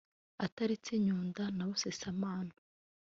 ataretse nyunda na busasamana